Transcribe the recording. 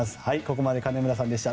ここまで金村さんでした。